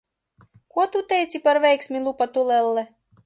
Ko tu tur teici par veiksmi, lupatu lelle?